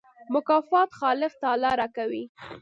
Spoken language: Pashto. مکافات خالق تعالی راکوي.